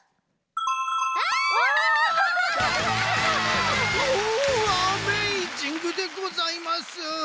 おアメイジングでございます！